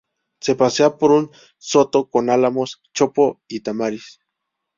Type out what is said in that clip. Se pasea por un soto con álamos, chopo y tamariz.